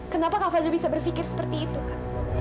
kenapa kak faldo bisa berpikir seperti itu kak